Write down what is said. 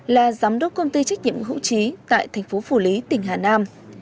là giám đốc công ty trách nhiệm hữu trí tại thành phố phủ lý tỉnh hà nam